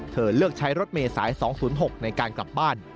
เธอเลือกใช้รถเมษาย๒๐๖ในการกลับบ้าน